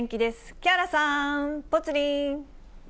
木原さん、ぽつリン。